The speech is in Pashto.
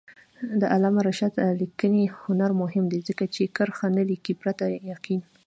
د علامه رشاد لیکنی هنر مهم دی ځکه چې کرښه نه لیکي پرته یقین.